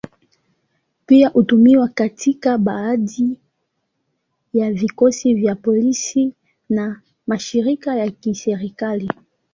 Pia hutumiwa katika baadhi ya vikosi vya polisi na mashirika ya kiserikali.